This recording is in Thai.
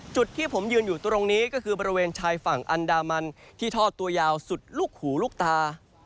จุดที่ผมยืนอยู่ตรงนี้ก็คือบริเวณชายฝั่งอันดามันที่ทอดตัวยาวสุดลูกหูลูกตา